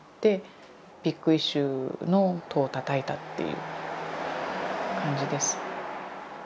「ビッグイシュー」の戸をたたいたっていう感じです。